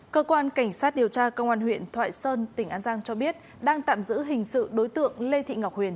cơ quan cảnh sát điều tra công an huyện thoại sơn tỉnh an giang cho biết đang tạm giữ hình sự đối tượng lê thị ngọc huyền